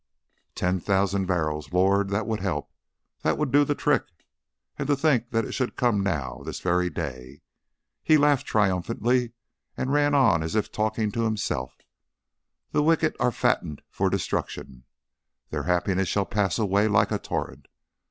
"Ten thousand barrels! Lord! That would help. That would do the trick. And to think that it should come now, this very day " He laughed triumphantly and ran on as if talking to himself: "'The wicked are fatted for destruction. Their happiness shall pass away like a torrent.'